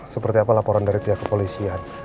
seperti apa laporan dari pihak kepolisian